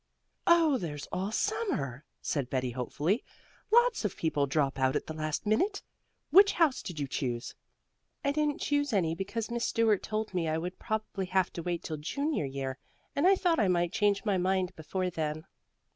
"Oh, there's all summer," said Betty hopefully. "Lots of people drop out at the last minute. Which house did you choose?" "I didn't choose any because Miss Stuart told me I would probably have to wait till junior year, and I thought I might change my mind before then."